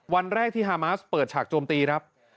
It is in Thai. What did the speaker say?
วันแรกที่ฮามาสเปิดฉากโจมตีครับ